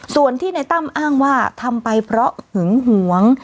ส่วนที่ในตั้มอ้างว่าทำไปเพราะหึงหวง